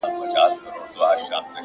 وېرېږم مينه مو له زړونو څخه وانه لوزي _